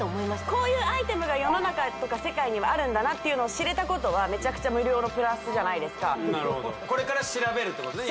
こういうアイテムが世の中とか世界にはあるんだなっていうのを知れたことはめちゃくちゃ無料のプラスじゃないですかなるほどこれから調べるってことね